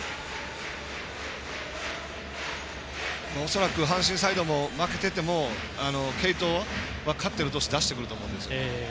恐らく、阪神サイドも負けてても継投は勝ってる投手出してくると思います。